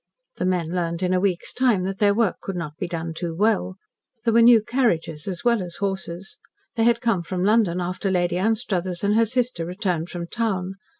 The men learned in a week's time that their work could not be done too well. There were new carriages as well as horses. They had come from London after Lady Anstruthers and her sister returned from town.